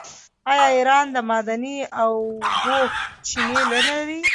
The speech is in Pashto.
آیا ایران د معدني اوبو چینې نلري؟